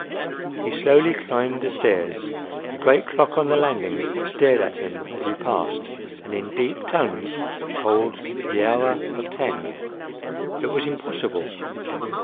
He slowly climbed the stairs. The great clock on the landing stared at him as he passed and in deep tones tolled the hour—of ten. It was impossible!